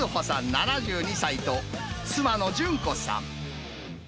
７２歳と妻の順子さん。